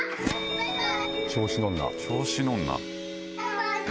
バイバイ。